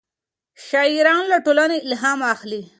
شاعران له ټولنې الهام اخلي.